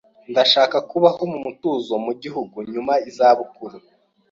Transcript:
Ndashaka kubaho mu mutuzo mu gihugu nyuma yizabukuru.